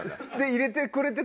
入れてくれてて。